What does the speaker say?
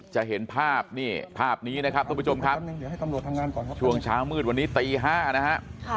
จะเห็นภาพนี่ภาพนี้นะครับทุกผู้ชมครับช่วงเช้ามืดวันนี้ตี๕นะฮะ